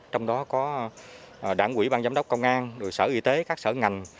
trong đó có đảng quỹ bang giám đốc công an sở y tế các sở ngành